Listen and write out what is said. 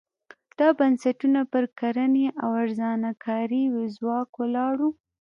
دا بنسټونه پر کرنې او ارزانه کاري ځواک ولاړ وو.